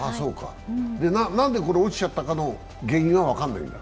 なんで落ちちゃったかの原因は分かんないんだ？